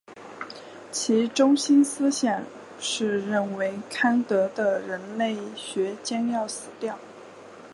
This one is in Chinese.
其中心思想是认为康德的人类学将要死掉。